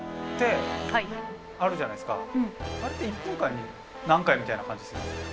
あれって１分間に何回みたいな感じですよね？